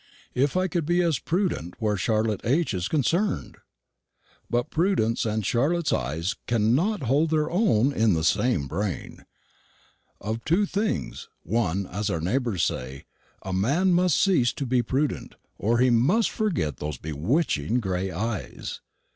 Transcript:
If I could be as prudent where Charlotte H. is concerned! But prudence and Charlotte's eyes cannot hold their own in the same brain. Of two things, one, as our neighbours say: a man must cease to be prudent, or he must forget those bewitching gray eyes.